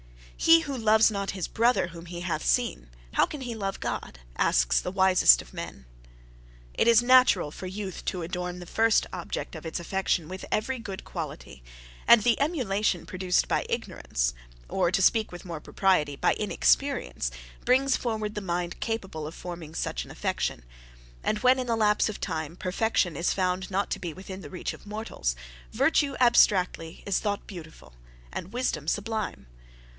He who loves not his brother whom he hath seen, how can he love God? asked the wisest of men. It is natural for youth to adorn the first object of its affection with every good quality, and the emulation produced by ignorance, or, to speak with more propriety, by inexperience, brings forward the mind capable of forming such an affection, and when, in the lapse of time, perfection is found not to be within the reach of mortals, virtue, abstractly, is thought beautiful, and wisdom sublime.